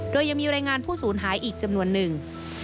โดยยังมีรายงานผู้สูญหายอีกจำนวนหนึ่ง